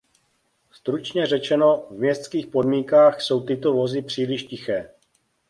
Stručně řečeno, v městských podmínkách jsou tyto vozy příliš tiché.